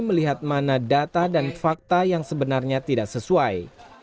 melihat mana data dan fakta yang sebenarnya tidak sesuai